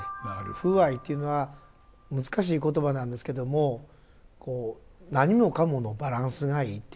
風合いというのは難しい言葉なんですけどもこう何もかものバランスがいいということでしょうかね。